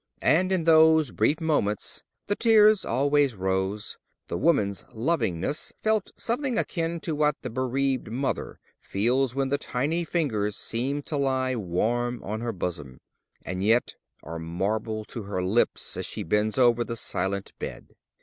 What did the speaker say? And in those brief moments the tears always rose: the woman's lovingness felt something akin to what the bereaved mother feels when the tiny fingers seem to lie warm on her bosom, and yet are marble to her lips as she bends over the silent bed.